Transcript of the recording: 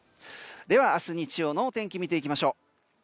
明日日曜のお天気を見ていきましょう。